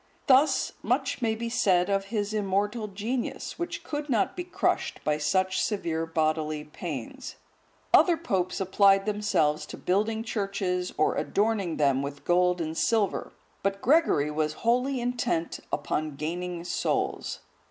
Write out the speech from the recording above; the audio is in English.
Thus much may be said of his immortal genius, which could not be crushed by such severe bodily pains. Other popes applied themselves to building churches or adorning them with gold and silver, but Gregory was wholly intent upon gaining souls.